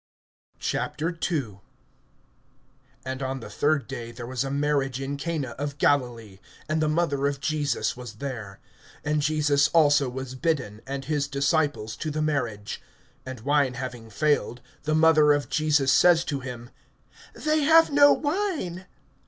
II. AND on the third day there was a marriage in Cana of Galilee; and the mother of Jesus was there. (2)And Jesus also was bidden, and his disciples, to the marriage. (3)And wine having failed, the mother of Jesus says to him: They have no wine.